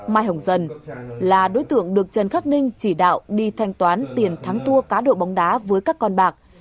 mai hồng dân là đối tượng được trần khắc ninh chỉ đạo đi thanh toán tiền thắng thua cá độ bóng đá với các con bạc